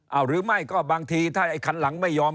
เอาหรือไม่ก็บางทีถ้าไอ้คันหลังไม่ยอม